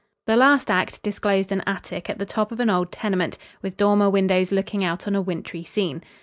The last act disclosed an attic at the top of an old tenement, with dormer windows looking out on a wintry scene.